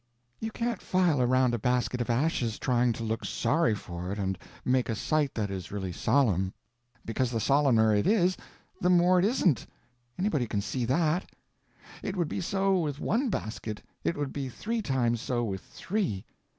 You can't file around a basket of ashes trying to look sorry for it and make a sight that is really solemn, because the solemner it is, the more it isn't—anybody can see that. It would be so with one basket; it would be three times so with three.